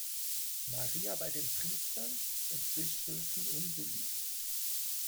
Maria bei den Priestern und Bischöfen unbeliebt.